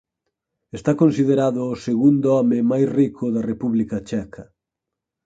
Está considerado o segundo home máis rico da República Checa.